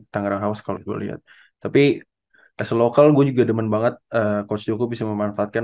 tanggerang host kalau gua lihat tapi tutor lokal gua juga demen banget coach joko bisa memanfaatkan